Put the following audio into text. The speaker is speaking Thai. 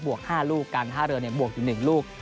บวกห้าลูกการท่าเรือเนี่ยบวกอยู่หนึ่งลูก